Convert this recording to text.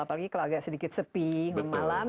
apalagi kalau agak sedikit sepi malam